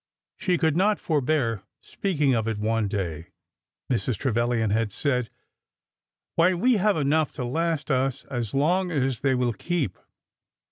She could not forbear speaking of it one day. Mrs. Tre vilian had said : Why, we have enough to last us as long as they will keep.